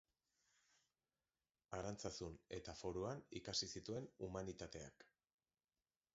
Arantzazun eta Foruan ikasi zituen Humanitateak.